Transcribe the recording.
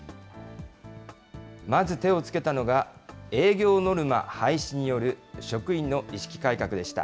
まず手をつけたのが、営業ノルマ廃止による職員の意識改革でした。